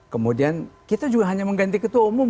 kemudian kita juga hanya mengganti ketua umum